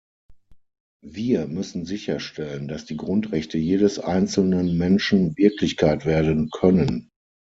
Wir müssen sicherstellen, dass die Grundrechte jedes einzelnen Menschen Wirklichkeit werden können.